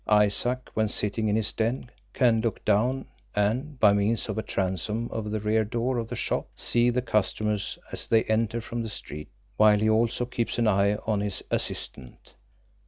Isaac, when sitting in his den, can look down, and, by means of a transom over the rear door of the shop, see the customers as they enter from the street, while he also keeps an eye on his assistant.